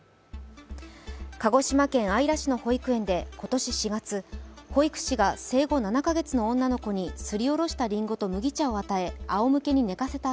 鹿児島県姶良市の保育園で今年４月、保育士が生後７か月の女の子にすりおろしたりんごと麦茶を与えあおむけに寝かせた